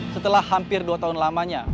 setelah hampir dua tahun lamanya